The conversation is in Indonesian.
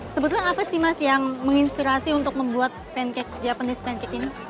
sebetulnya apa sih mas yang menginspirasi untuk membuat pancake japanese pancake ini